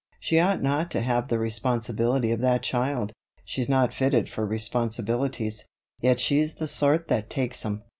She ought not to have the responsibility of that child; she's not fitted for responsibilities, yet she's the sort that takes 'em."